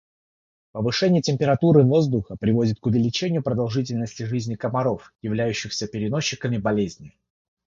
Повышение температуры воздуха приводит к увеличению продолжительности жизни комаров, являющихся переносчиками болезни.